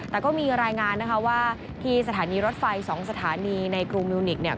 แต่ก็มีรายงานนะคะว่าที่สถานีรถไฟ๒สถานีในกรุงมิวนิกเนี่ย